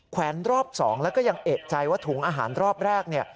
แวนรอบ๒แล้วก็ยังเอกใจว่าถุงอาหารรอบแรกเนี่ย